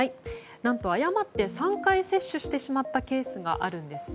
何と、誤って３回接種してしまったケースがあるんです。